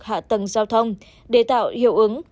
hạ tầng giao thông để tạo hiệu ứng